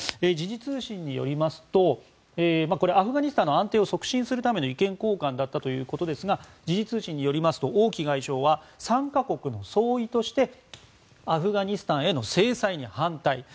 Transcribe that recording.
時事通信によりますとアフガニスタンの安定を促進するための意見交換だったということですが時事通信によりますと王毅外相は参加国の総意としてアフガニスタンへの制裁に反対。